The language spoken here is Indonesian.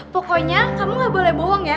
pokoknya kamu gak boleh bohong ya